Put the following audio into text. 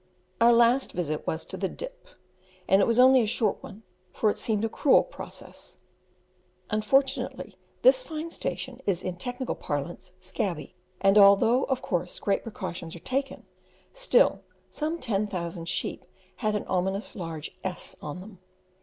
Our last visit was to the Dip, and it was only a short one, for it seemed a cruel process; unfortunately, this fine station is in technical parlance "scabby," and although of course great precautions are taken, still some 10,000 sheep had an ominous large S on them.